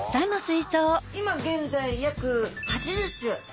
今現在約８０種２００